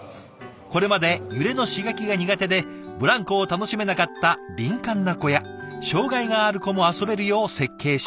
これまで揺れの刺激が苦手でブランコを楽しめなかった敏感な子や障がいがある子も遊べるよう設計しました。